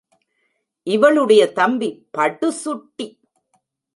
இவளுடைய தம்பி படுசுட்டி.